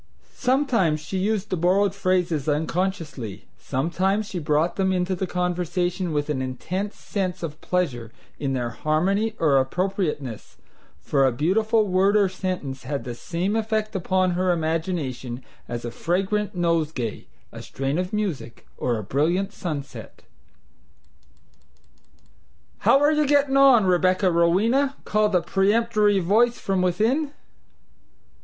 Sometimes she used the borrowed phrases unconsciously; sometimes she brought them into the conversation with an intense sense of pleasure in their harmony or appropriateness; for a beautiful word or sentence had the same effect upon her imagination as a fragrant nosegay, a strain of music, or a brilliant sunset. "How are you gettin' on, Rebecca Rowena?" called a peremptory voice from within.